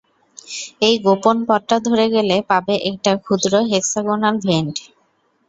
এই গোপন পথটা ধরে গেলে পাবে একটা ক্ষুদ্র হেক্সাগোনাল ভেন্ট।